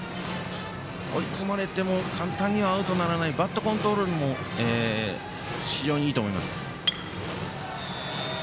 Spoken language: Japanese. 追い込まれても簡単にはアウトにならないバットコントロールも非常にいいと思います。